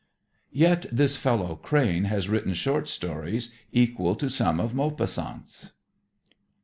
Yet this fellow Crane has written short stories equal to some of Maupassant's.